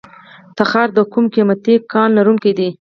تخار د کوم قیمتي کان لرونکی دی؟